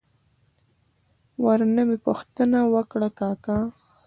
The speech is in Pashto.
ور نه مې پوښتنه وکړه: کاکا!